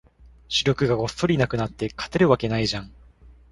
主力がごっそりいなくなって、勝てるわけないじゃん